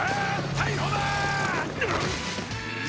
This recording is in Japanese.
逮捕だー！